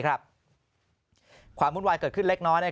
ความวุ่นวายเกิดขึ้นเล็กน้อย